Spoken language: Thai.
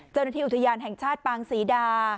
เจ้าหน้าที่อุทยานแห่งชาติปางศรีดา